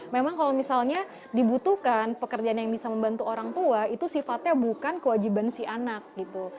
memang kalau misalnya dibutuhkan pekerjaan yang bisa membantu orang tua itu sifatnya bukan kewajiban si anak gitu